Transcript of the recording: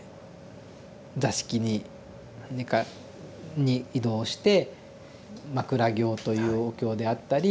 座敷に寝かに移動して枕経というお経であったり